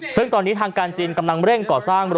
ซึ่งตอนนี้ทางการจีนกำลังเร่งก่อสร้าง